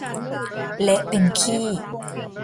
เละเป็นขี้